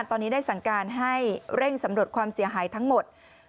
ตอนนี้ได้สั่งการให้เร่งสำรวจความเสียหายทั้งหมด